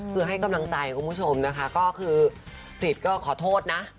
คือให้กำลังใจคุณผู้ชมนะคะก็คือผิดก็ขอโทษนะ